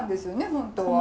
本当は？